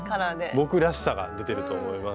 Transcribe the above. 僕らしさが出てると思います。